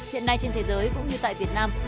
hiện nay trên thế giới cũng như tại việt nam